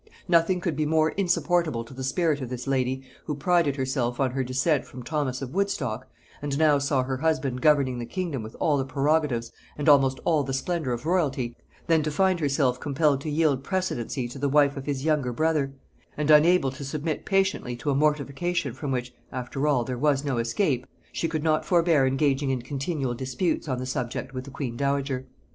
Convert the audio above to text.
Nothing could be more insupportable to the spirit of this lady, who prided herself on her descent from Thomas of Woodstock, and now saw her husband governing the kingdom with all the prerogatives and almost all the splendor of royalty, than to find herself compelled to yield precedency to the wife of his younger brother; and unable to submit patiently to a mortification from which, after all, there was no escape, she could not forbear engaging in continual disputes on the subject with the queen dowager.